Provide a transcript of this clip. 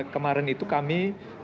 kemarin itu kami